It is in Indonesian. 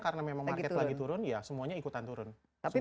karena memang lagi turun ya semuanya ikutan turun tapi